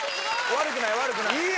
悪くない悪くない！